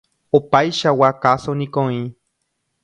Opaichagua káso niko oĩ.